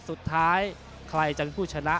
สุดท้ายใครจะเป็นผู้ชนะ